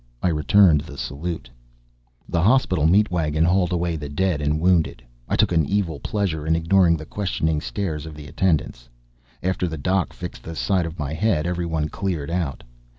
I returned the salute. The hospital meat wagon hauled away the dead and wounded. I took an evil pleasure in ignoring the questioning stares of the attendants. After the doc fixed the side of my head, everyone cleared out.